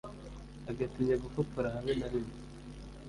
agatinya gukopfora habe na rimwe